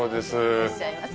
いらっしゃいませ。